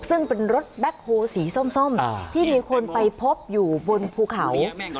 ซึ่งเป็นรถแบ็คโฮสีส้มที่มีคนไปพบอยู่บนภูเขา